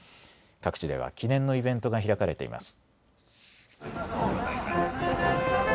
各地では記念のイベントが開かれています。